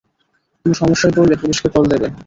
কোনো সমস্যায় পড়লে, পুলিশকে কল দেবে।